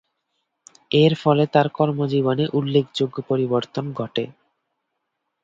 এর ফলে তাঁর কর্মজীবনে উল্লেখযোগ্য পরিবর্তন ঘটে।